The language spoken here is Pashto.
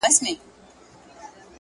خاموش کار لوی بدلون راولي،